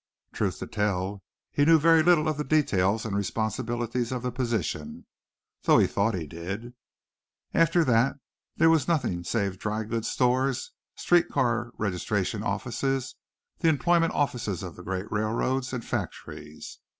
Truth to tell he knew very little of the details and responsibilities of the position, though he thought he did. After that there was nothing save drygoods stores, street car registration offices, the employment offices of the great railroads and factories.